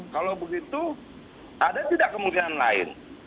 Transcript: kalau begitu ada tidak kemungkinan lain